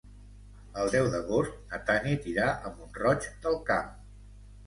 El deu d'agost na Tanit irà a Mont-roig del Camp.